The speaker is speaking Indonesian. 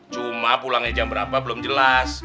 cuma pulangnya jam berapa belum jelas